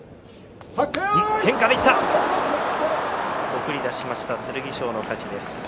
送り出しました剣翔の勝ちです。